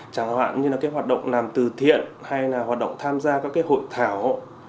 chẳng hạn như là cái hoạt động làm từ thiện hay là hoạt động tham gia các cái hội thảo